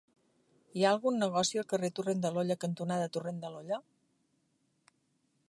Hi ha algun negoci al carrer Torrent de l'Olla cantonada Torrent de l'Olla?